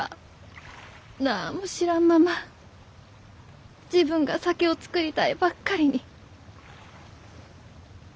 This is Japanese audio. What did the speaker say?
何も知らんまま自分が酒を造りたいばっかりに。